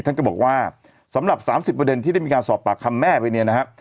ท่านก็บอกว่าสำหรับ๓๐ประเด็นที่ได้มีการสอบปากคำแม่ไปเนี่ยนะครับ